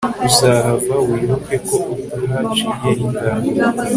Uzahava wibuke ko utahaciye ingando